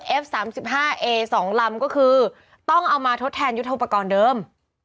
เอฟสามสิบห้าเอสองลำก็คือต้องเอามาทดแทนยุทธภักรเดิม